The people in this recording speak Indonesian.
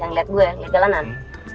jangan lihat gue ya gak jalanan